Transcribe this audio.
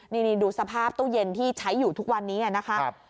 นี่ดูสภาพตู้เย็นที่ใช้อยู่ทุกวันนี้นะคะ